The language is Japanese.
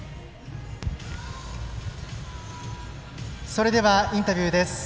それではインタビューです。